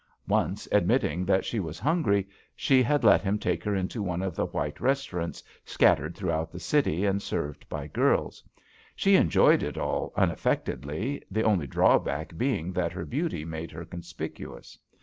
Once, admitting that she was hungry, she had let him take her into one of the white restaurants scattered throughout the city and served by girls. She enjoyed it all unaffect edly, the only drawback being that her beauty made her conspicuous.